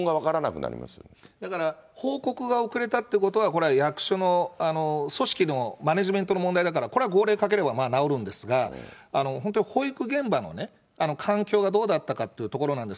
だから、報告が遅れたってことは、これは役所の組織のマネジメントの問題だから、これは号令かければ直るんですが、本当に保育現場のね、環境がどうだったのかというところなんです。